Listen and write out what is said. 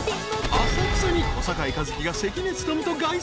［浅草に小堺一機が関根勤と凱旋］